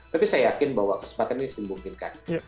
tapi saya yakin bahwa kesempatan ini dimungkinkan